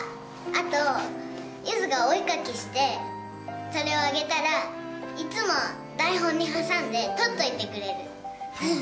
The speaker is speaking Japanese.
あと柚がお絵描きしてそれをあげたらいつも台本に挟んで取っといてくれる。